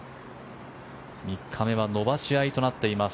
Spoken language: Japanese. ３日目は伸ばし合いとなっています。